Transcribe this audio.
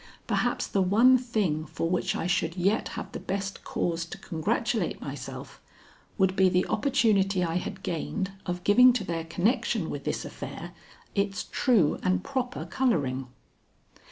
Perhaps the one thing for which I should yet have the best cause to congratulate myself, would be the opportunity I had gained of giving to their connection with this affair its true and proper coloring.